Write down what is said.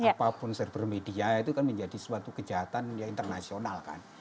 apapun server media itu kan menjadi suatu kejahatan yang internasional kan